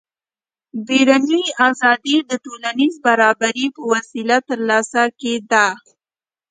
بیروني ازادي د ټولنیز برابري په وسیله ترلاسه کېده.